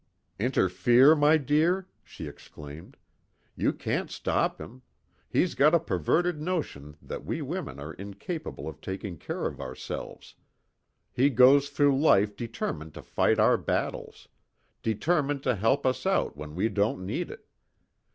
"Interfere, my dear!" she exclaimed. "You can't stop him. He's got a perverted notion that we women are incapable of taking care of ourselves. He goes through life determined to fight our battles. Determined to help us out when we don't need it.